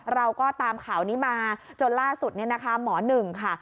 เราก็ตามข่าวนี้มาจนล่าสุดหมอหนึ่งค่ะ